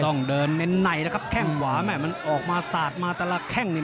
ต้องเดินเน้นในนะครับแข้งหวาแม่มันออกมาสาดมาแต่ละแข้งนี่